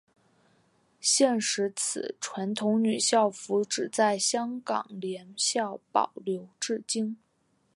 现时此传统女校服只在香港联校保留至今。